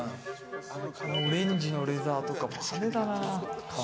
オレンジのレザーとかも派手だな。